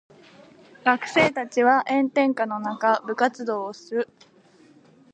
学生たちは炎天下の中部活動をする。